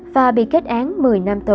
và bị kết án một mươi năm tù